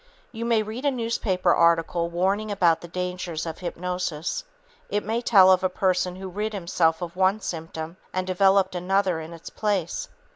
You may read a newspaper article warning about the "dangers" of hypnosis. It may tell of a person who rid himself of one symptom and developed another in its place.